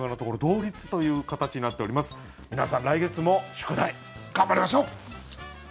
皆さん来月も宿題頑張りましょう！